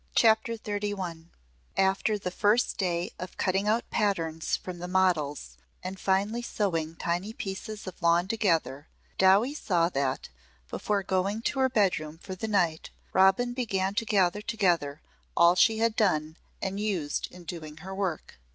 CHAPTER XXXI After the first day of cutting out patterns from the models and finely sewing tiny pieces of lawn together, Dowie saw that, before going to her bedroom for the night, Robin began to gather together all she had done and used in doing her work.